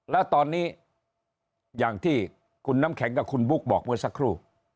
แล้วตอนนี้อย่างที่คุณน้ำแข็งกับคุณบุ๊คบอกเมื่อสักครู่